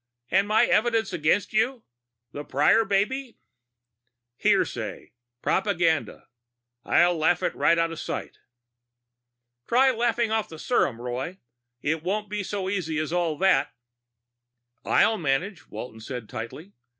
"And my evidence against you? The Prior baby?" "Hearsay. Propaganda. I'll laugh it right out of sight." "Try laughing off the serum, Roy. It won't be so easy as all that." "I'll manage," Walton said tightly.